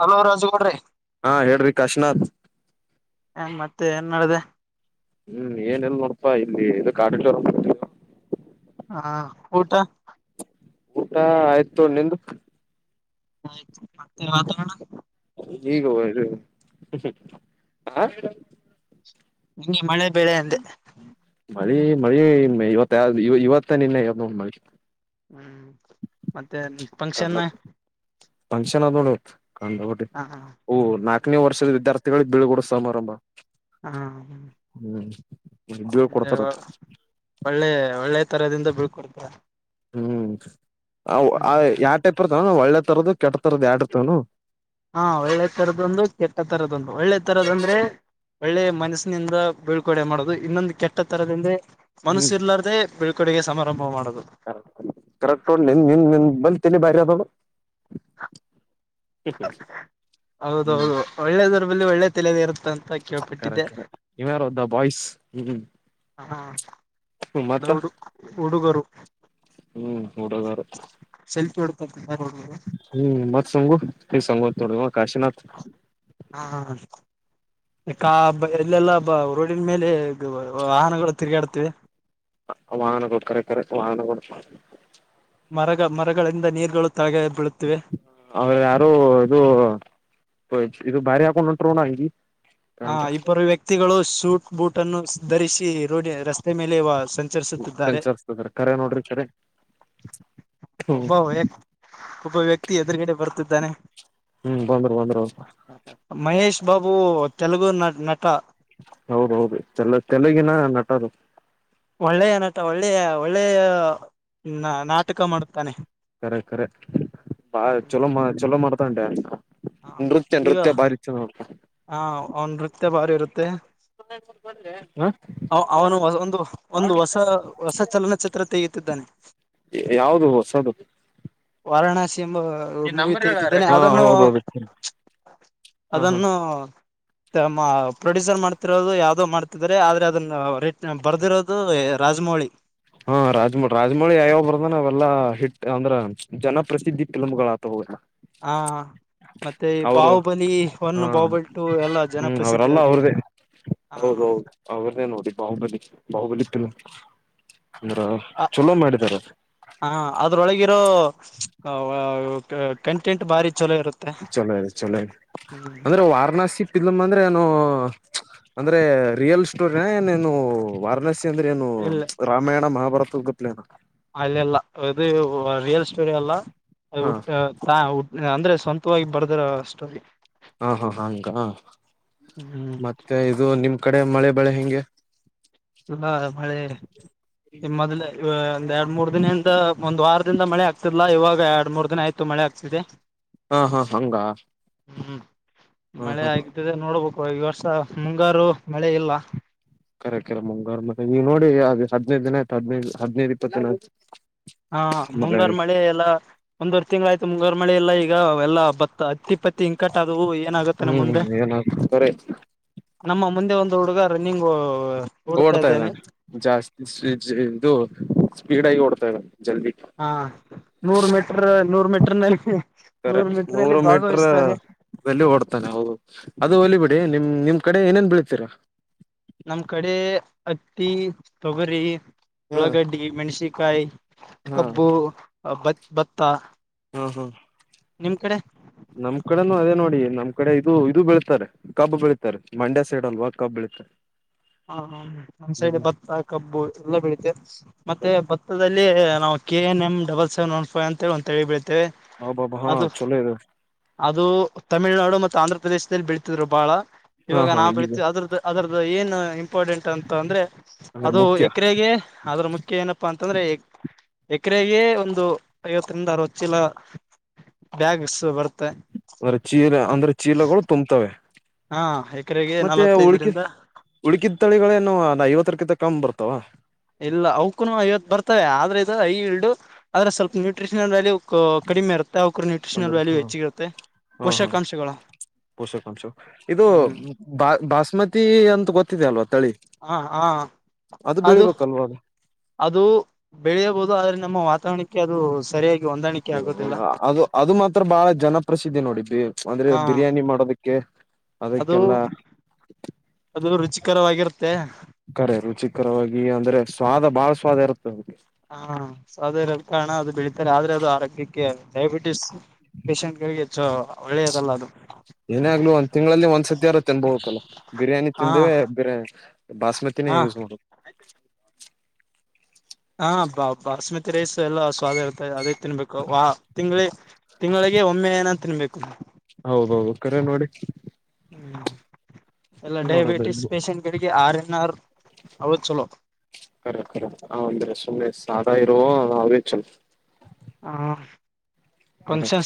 Hello ರಾಜುಗೌಡ್ರಿ ಹಾ ಹೇಳ್ರಿ ಕಶನಾಥ್ ಹ ಮತ್ತೆ ಏನ್ ನಡ್ದ ಹ್ಮ್ ಏನ್ಲ್ಲ ನೋಡಪಾ ಇಲ್ಲಿ ಕಾಡ ಹಾ ಊಟ ಊಟ ಆಯ್ತು ನಿಂದು ಆ್ ಮತ ವಾತಾವರಣ ಈಗ ಹದು ನಿಂಗೆ ಮಳೆ ಬೆಳೆ ಎಂದೆ ಮಳಿ ಮಳಿ ಇವ ಯಾವ ಇವತ್ತ ನಿನ್ನೆವ ಮ ಹ್ಮ್ ಮತ್ತೆ ಫಂಕ್ಷನ್ ಫನ್ಕ್ಷನ್ ಅ ನೋ ಇತ್ ಹ ಹ ಓ ನಾಲ್ಕನೇ ವರ್ಷದ ವಿದ್ಯಾರ್ಥಿಗಳಿಗೆಗ್ ಬಿಳ್ಗಡ ಸಮಾರಂಭ ಹಾ ಹ ಹ ಅ ಒಳ್ಳೆ ಒಳ್ಳೆ ತರದಿಂದ ಬೀಳ್ಕೊಡ್ತ ಹ್ಮ್ ಯಾವ ಟೈಪ್ರ್ತವ ಒಳ್ಳೆ ತರದ ಕೆಟ್ಟ ತರದ ಯಡ್ತವನು ಹಾ ಒಳ್ಳೆ ತರದೊಂದು ಕೆಟ್ಟ ತರದೊಂದು ಒಳ್ಳೆ ತರದ ಅಂದ್ರೆ ಒಳ್ಳೆ ಮನಸ್ಸಿನಿಂದ ಬೀಳ್ಕಡೆ ಮಾಡುದು ಇನ್ನೊಂದು ಕೆಟ್ಟ ತರದಿಂದೆ ಮನಸ್ಸ ಹ್ಮ್ ಇರ್ಲಾರದೆ ಬಿಳ್ಕುಡೆಗೆ ಸಮಾರಂಭ ಮಾಡುದು ಕರೆಕ್ಟ್ ಒ ನಿ ನಿ ನಿ ಬ ತಿನಿ ಬಾರಿ ಅದು ಹ್ಮ ಹ್ಮ ಹ ಹೌದೌದು ಒಳ್ಳೆದರಲ್ಲಿ ಒಳ್ಳೆ ತಲದ ಇರುತ್ತೆ ಅಂತ ಕೇಳ್ಪಿಟ್ಟಿದ್ದೆ ಹ್ಮ್ಮ ಹಾ ನ ಹಡು ಹುಡುಗರು ಹ್ಮ್ ಹುಡದಾರ ಸೆಲ್ಫಿ ಹೊಡ್ಕೊಂತ ಹ್ಮ್ ಮತ್ತ್ ಸಂಗು ಸಂಗುೋಡ ಕಾಶಿನಥ್ ಬ ಎಲ್ಲೆಲ್ಲಾ ರೋಡಿನ ಮೇಲೆ ವಾಹನಗಳು ತಿರುಗಾಡ್ತಿವೆ ವಾಹನ ಕೊಡ್ ಕರೆ ಕರೆ ವಾಹನ ಕೊಡ್ ಮಾಡ ಮರ ಮರಗಳಿಂದ ನೀರುಗಳು ತಳಗೆ ಬೀಳುತ್ತಿವೆ ಅವ್ರ ಯಾರು ಇದು ಇದು ಭಾರಿ ಹಾಕೊಂಡ್ಂಟ್ರಣ ಹಿ ಹ ಇಬ್ಬರು ವ್ಯಕ್ತಿಗಳು ಸೂಟ್ ಬೂಟ್ ಅನ್ನು ಧರಿಸಿ ರೋಡ್ ರಸ್ತೆ ಮೇಲೆ ಸಂಚರಿಸುತ್ತಿದ್ದಾರೆ ಸಂಚರಿಸ್ತದ್ರ ಕರೆ ನೋಡ್ರಿ ಕರೆ ಹ್ಮ್ ಒಬ್ಬ ವ್ಯ ಒಬ್ಬ ವ್ಯಕ್ತಿ ಎದುರುಗಡೆ ಬರ್ತಿದ್ದಾನೆ ಹ್ಮ್ ಬಂದ್ರು ಬಂದ್ರು ಮಹೇಶ್ ಬಾಬು ತೆಲುಗು ನ ನಟ ಹೌದ ಹೌದು ತೆಲ ತೆಲುಗಿನ ನಟರು ಒಳ್ಳೆಯ ನಟ ಒಳ್ಳೆಯ ಒಳ್ಳೆಯ ನ ನಾಟಕ ಮಾಡುತ್ತಾನೆ ಕರೆ ಕಖರೆಕ್ ಬಾ ಚಲೋ ಚೊಲೋ ಮರ್ತಂಟೆ ನೃತ್ಯ ನೃತ್ಯ ಭಾರಿ ಚ ನೋಡ್ ಹಾಂ ಅವ್ನ ನೃತ್ಯ ಬಾರಿ ಇರುತ್ತೆ ಮಾಡ್ತಾನ ಅವನು ಒಂದು ಒಂದು ಹೊಸ ಹೊಸ ಚಲನಚಿತ್ರ ತೆಗೆ ಅದ್ದಾನೆ ಯಾವದು ಹೊಸದು ವಾರಾಣಾಸಿ ಎಂಬ ಮೂವಿ ತೆಗೆದಿದ್ದೇನೆ ಹಾ ಅದನ್ನು ಹೌದೌದು ಹ ಹ ಅದನ್ನು ಪ್ರೊಡ್ಯೂಸರ್ ಮಾಡ್ತಿರೋದು ಯಾವ್ದೋ ಮಾಡ್ತಿ ಆದ್ರೆ ಅದನ್ನ ರೇಟ್ ಬರ್ದಿರೋದು ರಾಜಮೌಳಿ ಹಾ ರಾಜಮಳ ರಾಜ್ಮಳಿ ಯಾವ್ಯಾವ ಬರ್ದ ಅವೆಲ್ಲಾ ಹಿಟ್ ಅಂದ್ರ ಜನಪ್ರಸಿದ್ಧಿ ಫಿಲ್ಮ್ ಆತ ಹೋಗೆ ಹಾ ಮತ್ತೆ ಈ ಬಾಹುಬಲಿ ಹ ಹೊನ್ ಬಾಹುಬಲಿ ಟು ಎಲ್ಲ ಹ್ಮ್ ಜನಪ್ರಸಿದ್ಧಿ ಅವರೆಲ್ಲ ಆಗಿವೆ ಅವ್ರದೇ ಹೌದೌದು ಅವ್ರನ್ನೇ ನೋಡಿ ಬಾಹುಬಲಿ ಬಾಹುಬಲಿಕ್ಕ ಅ ಹ ಅದ್ರೊಳಗಿರೋ ಕಂಟೆಂಟ್ ಬಾರಿ ಚಲೋ ಇರುತ್ತೆ ಚಲೋ ಇದೆ ಚಲೋ ಹ್ಮ್ ಅಂದ್ರೆ ವಾರಣಾಸಿ ಪಲ ಮಂದ ಅಂದ್ರೆ ಏ ಅಂದ್ರೆ ರಿಯಲ್ ಸ್ಟೋರಿನು ವಾರಣಸಿ ಅಂದ್ರೆ ಏನು ಇಲ್ಲ ರಾಮಾಯಣ ಮಹಾಭಾರತ ಗಪ್ಲೇ ಅಲ್ಲೆಲ್ಲ ಇದು ರಿಯಲ್ ಸ್ಟೋರಿ ಎಲ್ಲ ಹಾ ಅಂದ್ರೆ ಸ್ವಂತವಾಗಿ ಬರ್ದರ ಸ್ಟೋರಿ ಹಾ ಹಾ ಹಂಗ ಹ್ಮ್ ಮತ್ತೆ ಇದು ನಿಮ ಕಡೆ ಮಳೆ ಬೆಳೆ ಹೆಂಗೆ ಇಲ್ಲ ಮಳೆ ನೀ ಮೊದ್ಲೆ ಒಂದ್ ಎರಡ್ ಮೂರ್ ದಿನದ ಒಂದ್ ವಾರ ದಿಂದ ಮಳೆ ಆಗ್ತಿಲ್ಲಿಲ್ಲ ಇವಾಗ ಎರಡು ಮೂರ್ ದಿನ ಆಯ್ತು ಮಳೆ ಆಗ್ತಿದೆ. ಹಾ ಹಾ ಹಂಗ ಹ್ಮ್ ಹಾ ಮಳೆ ಹಾ ಆಗ್ತದೆ ನೋಡ್ಬೋಕ್ ಓ ಈ ವರ್ಷ ಮುಂಗಾರು ಮಳೆ ಇಲ್ಲ. ಕರೆ ಕರೆ ಮುಂಗಾರು ಮತ್ತೆ ನೀವು ನೋಡಿ ಅದು ಹದಿನೈದು ದಿನ ಆಯ್ತು ಹದಿನೈದು ಇಪ್ಪತ್ತು ದಿನ ಆಯ್ತು. ಹಾ ಮುಂಗಾರು ಮಳೆ ಎಲ್ಲಾ ಒಂದುವರೆ ತಿಂಗಳ ಆಯ್ತು ಮುಂಗಾರು ಮಳೆ ಇಲ್ಲ ಈಗ ಎಲ್ಲಾ ಬತ್ತ್ ಅತ್ತಿ ಪತ್ತಿ ಇಂಕಟ್ ಆದವು ಏನಾಗುತ್ತೇನೋ ಹ್ಮ್ ಮುಂದೆ ಏನ ಕರೆ ನಮ್ಮ ಮುಂದೆ ಒಂದು ಹುಡುಗ ರನ್ನಿಂಗೂ.. ಓಡ್ತಾ ಇದ್ದಾನೆ ಜಾಸ್ತಿ ಸ್ಪಿ ಸ್ಪೀ ಇದು ಸ್ಪೀಡ್ ಆಗೆ ಓಡ್ತಾ ಇದ್ದಾನೆ. ಜಲ್ದಿ ಹಾ ನೂರ್ ಮೀಟರ್ ನೂರ್ ಮೀಟ್ರನಲ್ಲಿ, ಕರೆ ನೂರು ಮೀಟರ್ ದಲ್ಲಿ ಓಡ್ತಾನೆ ಹೌ ಅದು ಹೋಗಲಿ ಬಿಡಿ ನಿಮ್ ನಿಮ್ ಕಡೆ ಏನೇನ್ ಬೆಳಿತೀರಾ... ನಮ್ ಕಡೆ ಹತ್ತಿ ತೊಗರಿ ಹಾ ಉಳ್ಳಾಗಡ್ಡಿ ಮೆಣಸಿಕಾಯಿ... ಹಾ ಕಬ್ಬು ಭ ಭತ್ತ ಹ್ಮ್ ಹ್ಮ್ ನಿಮ್ ಕಡೆ ನಮ್ ಕಡೆನೂ ಅದೇ ನೋಡಿ. ನಮ್ ಕಡೆ ಇದು ಇದು ಬೆಳಿತ್ತಾರೆ ಕಬ್ಬ್ ಬೆಳೆಯುತ್ತಾರೆ, ಮಂಡ್ಯ ಸೈಡ್ ಅಲ್ವಾ ಕಬ್ಬ್ ಬೆಳಿತ್ತಾರೆ. ಹಾಹಾ ನಮ್ ಸೈಡ್ ಭತ್ತ, ಕಬ್ಬು ಎಲ್ಲಾ ಬೆಳೆಯುತ್ತೇವೆ, ಮತ್ತೆ ಭತ್ತದಲ್ಲಿ ನಾವು KNM double seven one five ಅಂತ ಒಂದು ತಳಿ ಬೆಳಿತೀವ್ ತ್ತೆ ಹಬ್ಬಬ್ಬ ಹಾ ಅದು ಚಲೋ ಇದೆ ಅದು ತಮಿಳುನಾಡು ಮತ್ತು ಆಂಧ್ರ ಪ್ರದೇಶದಲ್ಲಿ ಬೆಳ್ ತ್ತಿದ್ರೂ ಬಾಳ ಹಾ ಇವಾಗ ಹಾ ನಾ ಈಗ ಬೆಳ್ತೀವಿ ಅದ್ರದ್ ಅದ್ರದ್ ಏನು ಇಂಪಾರ್ಟೆಂಟ್ ಅಂತ ಅಂದ್ರೆ ಅಂದ್ರೆ ಅದು ಮುಖ್ಯ ಎಕರೆಗೆ ಅದ್ರ ಮುಖ್ಯ ಏನಪ್ಪಾ ಅಂತಂದ್ರೆ. ಎಕರೆಗೆ ಒಂದು ಐವತ್ತರಿಂದ ಅರವತ್ತು ಚೀಲ ಬ್ಯಾಗ್ಸ್ ಬರ್ತ್ ಫರ್ ಚೀಲ ಅಂದ್ರೆ ಚೀಲಗಳು ತುಂಬ್ತವೆ. ಹಾ ಎಕರೆಗೆ ಮತ್ತೆ ನಲವತ್ತೈದರಿಂದ ಉಳಿಕಿದ್ ಉಳಿಕಿದ್ದು ತಳಿಗಳೇನು ಒಂದು ಐವತ್ತಕ್ಕಿಂತ ಕಮ್ಮ್ ಬರುತ್ತ್ ತ್ತವ ಇಲ್ಲ ಅವಕ್ಕುನು ಐವತ್ತು ಬರ್ತವೆ ಆದ್ರೆ ಇದು ಹೈ ಹಿಲ್ಡು ಆದ್ರೆ ಸ್ವಲ್ಪ ನ್ಯೂಟ್ರಿಷನಲ್ ವ್ಯಾಲ್ಯೂ ಕ ಕಡಿಮೆ ಇರುತ್ತೆ ಅವುಕ್ ನ್ಯೂಟ್ರಿಷನಲ್ ಅಂದ್ರ ವ್ಯಾಲ್ಯೂ ಹ ಹೆಚ್ಚಿಗಿರುತ್ತೆ ಹಾ ಹಾ ಪೋಷಕಾಂಶಗಳ ಪೋಷಕಾಂಶ ಇದು ಬಾ ಬಾಸ್ಮತಿ ಅಂತ ಗೊತ್ತ್ ಹಾ ಹಾ ಅದು ಅದು ಬೆಳೆಯಬಹುದು ಆದ್ರೆ ನಮ್ಮ ವಾತಾವರಣಕ್ಕೆ ಅದು ಸರಿಯಾಗ್ ಹ ಅದು ಅದು ಮಾತ್ರ ಬಾಳ ಜನಪ್ರಸಿದ್ಧಿ ನೋಡಿ ಪ್ರಿ ಅಂದ್ರೆ ಹಾ ಬಿರಿಯಾನಿ ಮಾಡೋದಿಕ್ಕೆ ಅದು ಅದು ರುಚಿಕರವಾಗಿರುತ್ತ್ ಕರೆ ರುಚಿಕರವಾಗಿ ಅಂದ್ರೆ ಸ್ವಾದ ಬಾಳ ಸ್ವಾದ ಇರುತ್ತ್ ಹಾ ಸ್ವಾದ ಇರೋ ಕಾರಣ ಅದು ಬೆಳೀತಾರೆ ಆದ್ರೆ ಅದು ಆರೋಗ್ಯಕ್ಕೆ ಡಯಾಬಿಟಿಸ್ ಪೇಶೆಂಟ್ಗ್ ಳಿಗೆ ಹೆಚ್ಚು ಒಳ್ಳೆಯದಲ್ಲ ಅದು ಏನೇ ಆಗಲಿ ಒಂದ್ ತಿಂಗಳಲ್ಲಿ ಒಂದ್ಸತಿಯಾದ್ರೂ ತಿನ್ಬಹುಕಲ್ಲಾ ಬಿರಿಯಾನಿ ಹಾ ತಿಂದೇವೆ ಬಿರಿ ಬಾಸ್ಮತಿ ತಿನೆ ಹಾ ಯೂಸ್ ಮಾಡೋದು [unintelligible] ಹಾ ಬಾ ಬಾಸ್ಮತಿ ರೈಸ್ ಎಲ್ಲ ಸ್ವಾದ ಇರ್ತದೆ ಅದೇ ತಿನ್ಬೇಕು ವಾ ತಿಂಗಳಿ ತಿಂಗಳಿಗೆ ಒಮ್ಮೆನ ತಿನ್ಬೇಕು ಹೌದೌದು ಕರೆ ನೋಡಿ ಹ್ಮ ಎಲ್ಲ ಡಯಾಬಿಟಿಸ್ ಮಾಡೋದು ಪೇಷೆಂಟ್ ಗಳಿಗೆ ಆರ್ ಎನ್ ಆರ್ ಅವು ಚಲೋ ಕರೆ ಕರೆ ಹ ಒಂದ್ರೆ ಸುಮ್ಮನೆ ಸದಾ ಇರುವ ಅವೇ ಚಲೊ ಹಾ ಕರೆಕ್ಟ್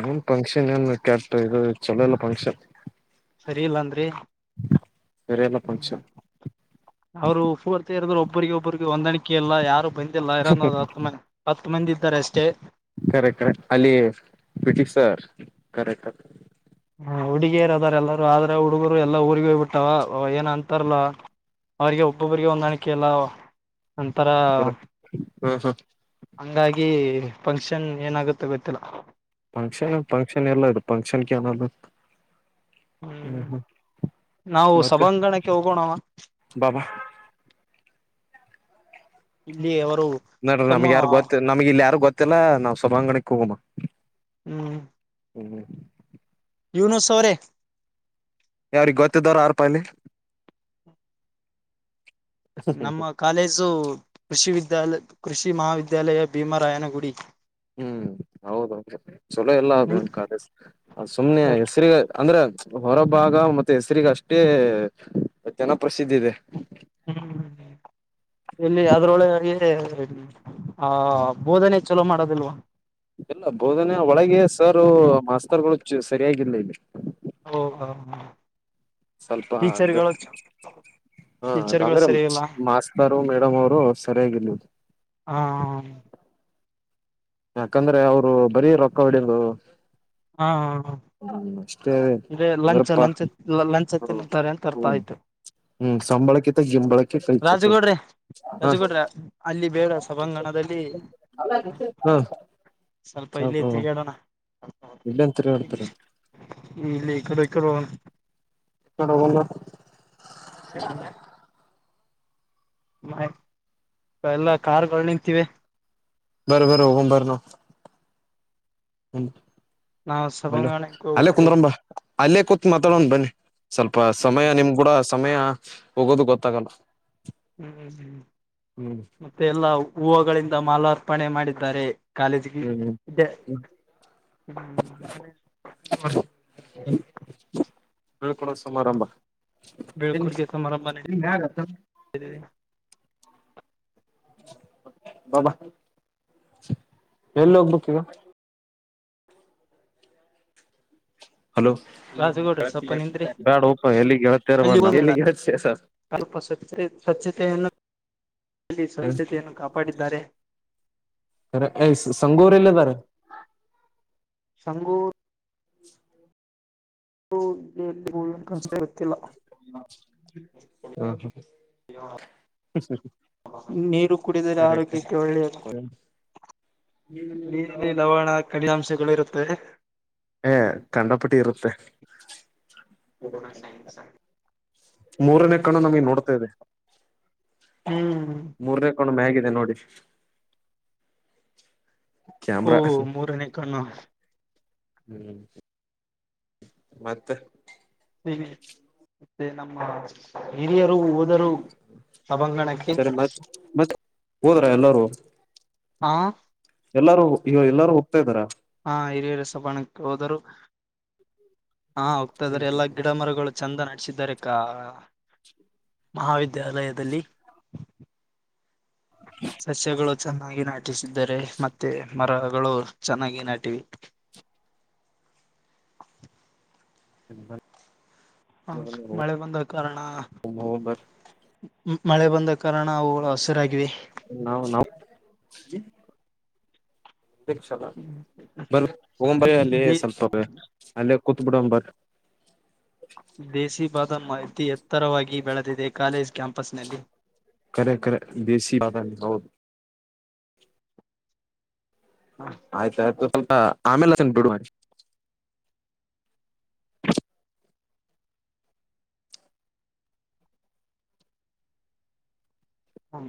ಅ ಏನ್ ಫಂಕ್ಷನ್ ಏನ್ ಕೆಟ್ ಇದು ಚಲೋ ಎಲ್ಲ ಫಂಕ್ಷನ್ ಸರಿ ಇಲ್ಲಾ ಅಂದ್ರಿ ಬೇರೆ ಎಲ್ಲ ಫಂಕ್ಷನ್ ಅವರು ಪೂರ್ತಿ ಇರದ್ರು ಒಬ್ ಒಬ್ಬರಿಗೆ ಒಬ್ಬರಿಗೆ ಹೊಂದಾಣಿಕೆ ಇಲ್ಲ ಯಾರು ಬಂದಿಲ್ಲ ಇರೋದು ಒಂದ್ ಹತ್ತು ಮಂದಿ ಇದ್ದಾರೆ ಅಷ್ಟೇ ಕರೆಕ್ಟ್ ಕರೆಕ್ ಅಲ್ಲಿ ಪಿಟಿ ಸರ್ ಕರೆಕ್ಟ ಹುಡುಗಿಯರ ಅದಾರ ಎಲ್ಲರು ಆದ್ರ ಹುಡುಗರು ಎಲ್ಲಾ ಊರಿಗೆ ಹೋಗ್ಬಿಟ್ಟವ ಏನ ಅಂತಾರಲ್ಲ ಅವ್ರರಿಗೆ ಒಬ್ಬೊಬ್ಬರಿಗೆ ಹೊಂದಾಣಿಕೆ ಇಲ್ಲ ಒಂಥರ ಹಾ ಹಾ ಹಂಗಾಗಿ ಫಂಕ್ಷನ್ ಏನಾಗುತ್ತೆ ಗೊತ್ತಿಲ್ಲ ಫಂಕ್ಷನ್ ಫಂಕ್ಷನ್ ಎಲ್ಲ ಇದು ಫಂಕ್ಷನ್ ಹ್ಮ್ ನಾವು ಮತ್ತೆ ಸಭಾಂಗಣಕ್ಕೆ ಹೋಗೋಣವ ಬಾಬಾ ಇಲ್ಲಿ ಆ ನೋಡ್ರೀ ನಮ್ಗ ಯಾರ ಗೊತ್ತ ನಮ್ಗೆ ಇಲ್ಲಿ ಯಾರು ಗೊತ್ತಿಲ್ಲ ನಾವ್ ಸಭಾಂಗಣ ಹೋಗಮ್ಮ ಹ್ಮ್ ಹ್ಮ ಯನು ಸೋರೆ ಯಾವ್ರಿಗೆ ಗೊತ್ತಿದ್ದವರು ಎರ್ಪಾಲ್ಲಿ ನಮ್ಮ ಕಾಲೇಜು ಕೃಷಿ ವಿದ್ಯಾ ದ್ಯಾಲ ಕೃಷಿ ಮಹಾವಿದ್ಯಾಲಯ ಭೀಮರಾಯನಗುಡಿ ಹ್ಮ್ ಹೌದೌದು ಚಲೋ ಎಲ್ಲ ನಿಮ್ ನ್ ಕಾಲೇಜ ಸುಮ್ನೆ ಹೆಸ್ರ ಅಂದ್ರೆ ಹೊರಭಾಗ ಮತ್ತೆ ಹೆಸರಿಗ ಅಷ್ಟೇ ಜನಪ್ರಸಿದ್ಧಿ ಇದೆ ಇಲ್ಲಿ ಹ ಬೋಧನೆ ಚಲೋ ಮಾಡೋದಿಲ್ವಾ ಎಲ್ಲ ಬೋಧನೆ ಒಳಗೆ ಸರ್ ಮಾಸ್ತರ್ಗಳು ಚು ಸರಿಯಾಗಿಲ್ಲ ಇಲ್ಲಿ ಹಓ ಹಾ ಹ್ಮ ಸ್ವಲ್ಪ ಅ್ದ ಹಾ ಅದು ಟೀಚರ್ಗಳು ಅಂದ್ರೆ ಸರಿ ಇಲ್ಲ ಮಾಸ್ತರು ಮೇಡಮ್ ಅವರು ಸರಿಯಾಗಿರ್ಲಿಲ್ ಹ್ಮ ಯಾಕಂದ್ರೆ ಅವರು ಬರೀ ರೊಕ್ಕ ಹೊಡಿಯದು ಹಾ ಹಾ ಹ ಅಂದೆ ಲಂಚ್ ಅಂದ್ರಪ್ಪಾ ಲಂಚ್ ಲಂಚ್ ಹತ್ತಂತಾರೆ ಅಂತ ಅರ್ಥ ಹ್ಮ್ ಆಯ್ತು ಹ್ಮ್ ಸಂಬಳಕ್ಕಿಂತ ಗಿಂಬಳಕ್ಕೆ ಕೈ ಚಚು ರಾಜುಗೌಡ್ರಿ ಹ ರಾಜುಗೌಡ್ರೆ ಅಲ್ಲಿ ಬೇಡ ಸಭಾಂಗಣದಲ್ಲಿ ಹ ಸ್ವಲ್ಪ ಇಲ್ಲಿ ಸಾಕು ತಿರುಗಾಡೋಣ ಇಲ್ಲೇನ್ ತಿರ್ಗಾಡ್ತಾರೆ ಇಲ್ಲಿ ಈಕಡೆಕಡೆ ಹೋಗೂಣು [inaudible] [unintelligible] ಮ ಎಲ್ಲ ಕಾರ್ ನಿಂತೀವಿ ಬರಬರ ಹು ಬರ್ ನ ಹ್ಮ್ಮ್ ನಮ ಅಲ್ಲ ಅಲ್ಲೇ ಕುಂದ್ರಂಬ ಅಲ್ಲೇ ಕುತ್ ಮಾತಾಡೋಣ ಬನ್ನಿ ಸ್ವಲ್ಪ ಸಮಯ ಹ್ಮ್ ನಿಮ್ ಕೂಡ ಸಮಯ ಹೋಗೋದು ಗೊತ್ತಾಗಲ್ಲ ಹ್ಮ್ ಹ್ಮ್ ಹ್ಮ್ ಮತ್ತೆ ಎಲ್ಲಾ ಹೂವುಗಳಿಂದ ಮಾಲಾರ್ಪಣೆ ಮಾಡಿದ್ದಾರೆ ಕಾಲೇಜಿಗೆ ಹ್ಮ್ ಇ್ದ ಹ್ಮ್ [unintelligible] ಸಮಾರಂಭ ಎಲ್ಲಿ ನಿಮ ಯಗತ್ತ ರಿ [unintelligible] ಬಬ ಎಲ್ಲಿ ಹೋಗ್ಬೇಕಕ್ ಈಗ ಹಲೋ ರಾಜುಗೌಡ್ರ ಸ್ವಲ್ಪ ನಿಂದ್ರಿ ಬ್ಯಾ ಪ ಎಲ್ಲಿ ಗೆಳತಾರ ಬ ಅಲ್ಲಿ ಓದಬೇಡ ಎಲ್ಲಿ ಸ್ವಲ್ಪ ಸ್ವಚ್ಛತೆ ಸ್ವಚ್ಛತೆನ್ನು ಅಲ್ಲಿ ಸ್ವಚ್ಛತೆಯನ್ನು ಕಾಪಾಡಿದ್ದಾರೆ ಅ ಸಂಗೋರೆ ಎಲ್ಲದಾರೆ ಸಂಗೂರ್ ಎಲ್ಲಿ ಹ ಅ ಕನ್ಸ ಗೊತ್ತಿಲ್ಲ [unintelligible] [inaudible] ನೀರು ಕುಡಿದರೆ ಕರೆಕ್ಟ್ ಆರೋಗ್ಯಕ್ಕೆ ಒಳ್ಳೆಯದು- ಇಲ್ಲಿ ಲವಣ ಕಡಿನಾಂಶಗಳು ಇರುತ್ತೆ ಏ ಕಂಡಪಟ್ಟಿ ಇರುತ್ತೆ ಪೂನಾ ಸೈನ್ಸ ಆ ಮೂರನೇ ಕಣು ನಮಗೆ ನೋಡ್ತಾದೆ ಹ್ಮ್ ಮೂರನೇ ಕಣು ಮ್ಯಗ ನೋಡಿ ಓ ಕ್ಯಾಮ್ರಾ ಮೂರನೇ ಕ್ಣು ಹ್ಮ್ ಮತ್ತ ಸ ಮತ್ತೆ ನಮ್ಮ ಹಿರಿಯರು ಹೋದರು ಸಭಾಂಗಣಕ್ಕೆ ಸರಿ ಮತ್ ಮತ್ೆ ಹೋದ್ರ ಎಲ್ಲಾರೂ ಆ ಎಲ್ಲಾರು ಈ ಎಲ್ಲಾರು ಹೋಗ್ತಾ ಇದ್ದಾರ ಹಾ ಹಿರಿಯೇರ ಸಬಾಣಕ್ಕೆ ಹೋದರು ಹಾ ಹೋಗ್ತಾ ಇದಾರೆ ಎಲ್ಲಾ ಗಿಡ ಮರಗಳು ಚಂದ ನಡೆಸಿದ್ದಾರೆ ಮಹಾವಿದ್ಯಾಲಯದಲ್ಲಿ ಸಸ್ಯಗಳು ಚೆನ್ನಾಗಿ ನಾಟಿಸಿದ್ದಾರೆ ಮತ್ತೆ ಮರಗಳು ಚೆನ್ನಾಗಿ ನಾಟಿವೆ [inaudible] ಹ ಹಾ ಮಳೆ ಬಂದ ಕಾರಣ ನಾವು ಮಳೆ ಬಂದ ಕಾರಣ ಅವು ಹಸಿರಾಗಿವೆ ನಾಾವ ನಾವು ಕ್ಷ ಬಂಬೈ ಅಲ್ಲಿ ದೇ ಸ್ವಲ್ಪ ಅಲ್ಲಿ ಕುತ್ಬುಡಾಂಬರ್ ಉತ್ತರವಾಗಿ ಬೆಳೆದಿದೆ ಕಾಲೇಜ್ ಕ್ಯಾಂಪಸ್ನಲ್ಲಿ ಕರೆ ಕರೆ ದೇಸಿ ಬಾದ ಹೌದು ಆಯ್ತಾಯಯ್ತು ಸ್ವಲ್ಪ ಆಮೇಲೆ ಬಿಡು ಮಾಡಿ ಹ